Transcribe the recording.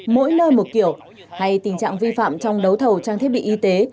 mỗi nơi một kiểu hay tình trạng vi phạm trong đấu thầu trang thiết bị y tế